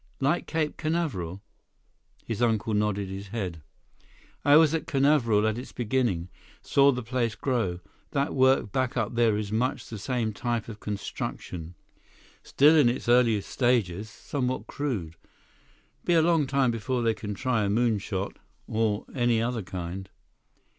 "Like Cape Canaveral?" His uncle nodded his head. "I was at Canaveral at its beginning. Saw the place grow. That work back up there is much the same type of construction. Still in its earliest stages, somewhat crude. Be a long time before they can try a moon shot, or any other kind."